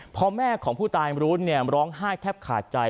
พอแม่ของผู้ตายรู้ร้องไห้แทบขาดใจ